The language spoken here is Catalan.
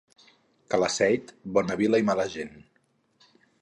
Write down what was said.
Calaceit, bona vila i mala gent.